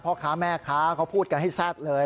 พ่อค้าแม่ค้าเขาพูดกันให้แซ่ดเลย